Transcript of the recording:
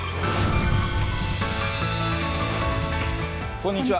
こんにちは。